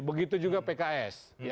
begitu juga pks